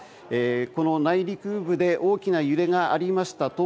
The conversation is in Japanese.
内陸部で大きな揺れがありました。